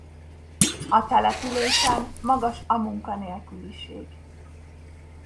A településen magas a munkanélküliség.